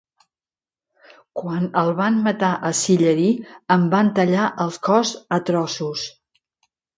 Quan el van matar a Sillery, en van tallar el cos a trossos.